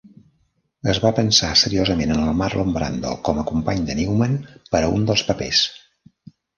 Es va pensar seriosament en el Marlon Brando com a company de Newman per a un dels papers.